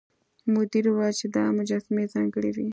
مدیر وویل چې دا مجسمې ځانګړې وې.